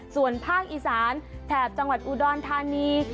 ส่วนภาคอีสานแถบจังหวัดอุดรธานี